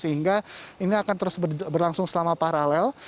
sehingga ini akan terus berlangsung selama paralel